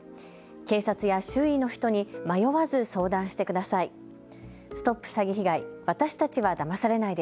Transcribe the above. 警察や周囲の人に迷わず相談してください。